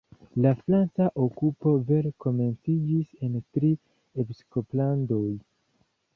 La franca okupo vere komenciĝis en Tri-Episkoplandoj.